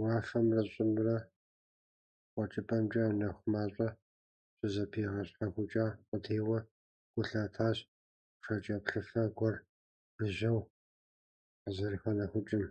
Уафэмрэ щӀымрэ къуэкӀыпӀэмкӀэ нэху мащӀэм щызэпигъэщхьэхукӀа къудейуэ, гу лъатащ пшэкӀэплъыфэ гуэр жыжьэу къызэрыхэнэӀукӀым.